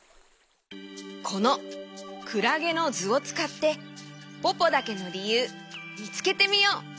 このクラゲのずをつかってポポだけのりゆうみつけてみよう！